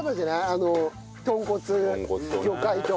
あの豚骨魚介と。